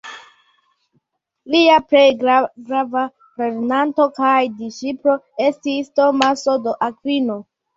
Lia plej grava lernanto kaj disĉiplo estis Tomaso de Akvino.